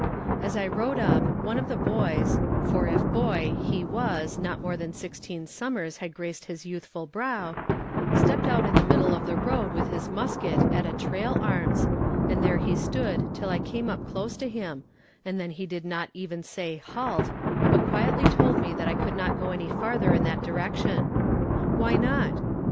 As I rode up, one of the boys for if boy he was, not more than sixteen summers had graced his youthful brow stepped out in the middle of the road with his musket at a "trail arms," and there he stood till I came up close to him, and then he did not even say "halt," but quietly told me that I could not go any farther in that direction. Why not?